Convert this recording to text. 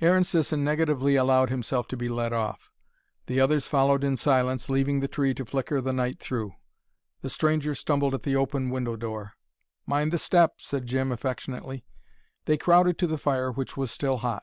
Aaron Sisson negatively allowed himself to be led off. The others followed in silence, leaving the tree to flicker the night through. The stranger stumbled at the open window door. "Mind the step," said Jim affectionately. They crowded to the fire, which was still hot.